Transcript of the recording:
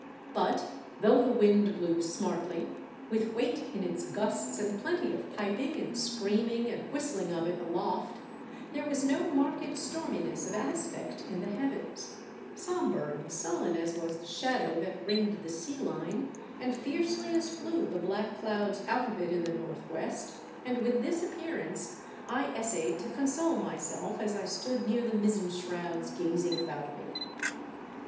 But though the wind blew smartly, with weight in its gusts and plenty of piping and screaming and whistling of it aloft, there was no marked storminess of aspect in the heavens, sombre and sullen as was the shadow that ringed the sea line, and fiercely as flew the black clouds out of it in the north west ; and with this appearance I essayed to console myself as I stood near the mizzen shrouds gazing about me.